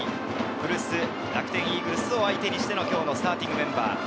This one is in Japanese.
古巣・楽天イーグルスを相手にしての今日のスターティングメンバーです。